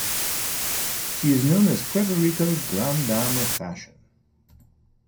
She is known as "Puerto Rico's grande dame of fashion".